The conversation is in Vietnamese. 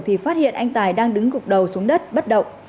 thì phát hiện anh tài đang đứng gục đầu xuống đất bất động